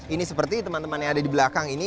ini seperti teman teman yang ada di belakang ini